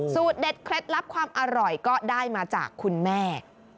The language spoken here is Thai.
เด็ดเคล็ดลับความอร่อยก็ได้มาจากคุณแม่